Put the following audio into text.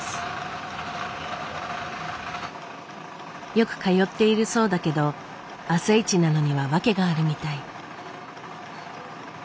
よく通っているそうだけど朝一なのには訳があるみたい。